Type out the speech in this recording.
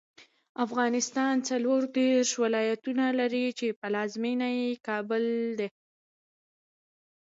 افغانستان څلوردېرش ولایتونه لري، چې پلازمېنه یې کابل دی.